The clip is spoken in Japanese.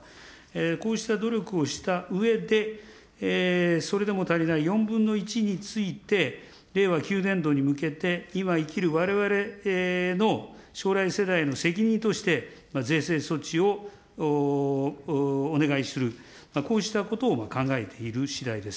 こうした努力をしたうえで、それでも足りない４分の１について、令和９年度に向けて、今生きるわれわれの将来世代への責任として、税制措置をお願いする、こうしたことを考えているしだいです。